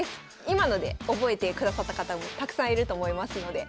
今ので覚えてくださった方もたくさんいると思いますので。